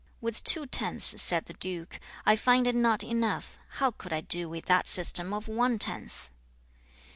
3. 'With two tenths, said the duke, 'I find it not enough; how could I do with that system of one tenth?'